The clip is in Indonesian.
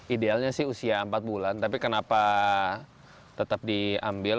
idealnya sih usia empat bulan tapi kenapa tetap diambil